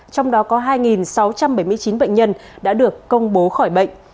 trong đó có hai sáu trăm bảy mươi chín bệnh nhân đã được công bố khỏi bệnh